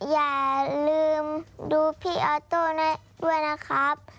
อย่าลืมดูพี่ออโต้ด้วยนะครับ